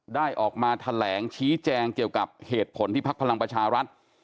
ได้ออกมาแถลงชี้แจงเกี่ยวกับเหตุผลที่พักพลังประชารัฐ